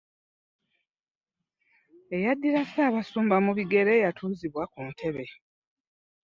Eyaddira sabasumba mu bigere yatuzibwa ku ntebe.